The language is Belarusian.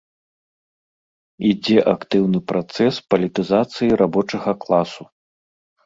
Ідзе актыўны працэс палітызацыі рабочага класу.